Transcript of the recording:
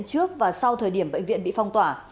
trước và sau thời điểm bệnh viện bị phong tỏa